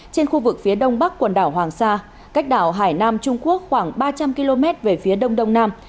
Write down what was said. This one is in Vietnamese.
trên khu vực phía đông bắc quần đảo hoàng sa cách đảo hải nam trung quốc khoảng ba trăm linh km về phía đông đông nam